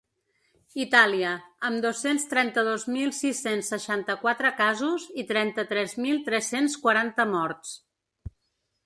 Itàlia, amb dos-cents trenta-dos mil sis-cents seixanta-quatre casos i trenta-tres mil tres-cents quaranta morts.